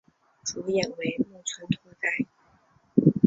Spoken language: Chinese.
主演为木村拓哉。